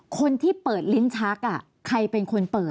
คนที่เปิดลิ้นชักใครเป็นคนเปิด